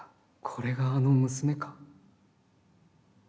これがあの娘か。――